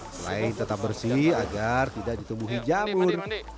selain tetap bersih agar tidak ditumbuhi jamur